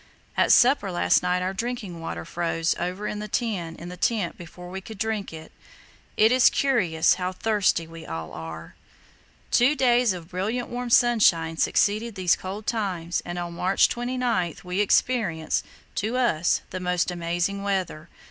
At supper last night our drinking water froze over in the tin in the tent before we could drink it. It is curious how thirsty we all are." Two days of brilliant warm sunshine succeeded these cold times, and on March 29 we experienced, to us, the most amazing weather.